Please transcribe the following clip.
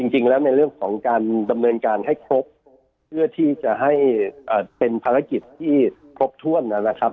จริงแล้วในเรื่องของการดำเนินการให้ครบเพื่อที่จะให้เป็นภารกิจที่ครบถ้วนนะครับ